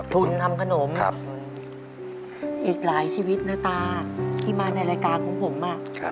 ทุนทำขนมอีกหลายชีวิตนะตาที่มาในรายการของผม